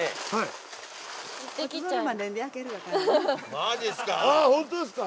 マジっすか！